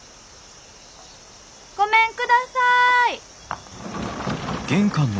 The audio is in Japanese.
ごめんください！